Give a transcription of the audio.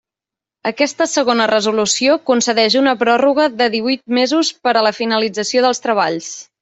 Aquesta segona resolució concedeix una pròrroga de díhuit mesos per a la finalització dels treballs.